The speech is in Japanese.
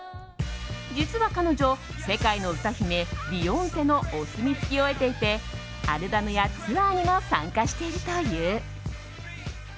実は彼女、世界の歌姫ビヨンセのお墨付きを得ていてアルバムやツアーにも参加しているという。